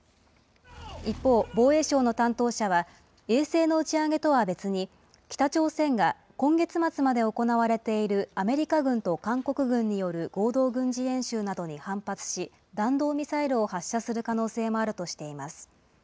一方、防衛省の担当者は、衛星の打ち上げとは別に、北朝鮮が今月末まで行われているアメリカ軍と韓国軍による合同軍事演習などに反発し、弾道ミサイルを発射する可能性もあるとしています。